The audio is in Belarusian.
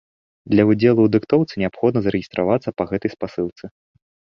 Для ўдзелу ў дыктоўцы неабходна зарэгістравацца па гэтай спасылцы.